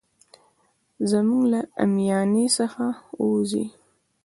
زموږ له اميانۍ څخه ووزي.